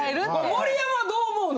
盛山はどう思うの？